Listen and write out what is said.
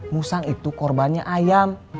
musang itu korbannya ayam